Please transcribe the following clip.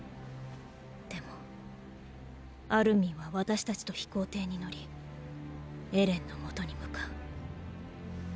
でもアルミンは私たちと飛行艇に乗りエレンのもとに向かう。